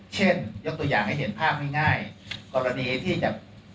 เช่นยกตัวอย่างให้เห็นภาพง่ายกรณีที่จะ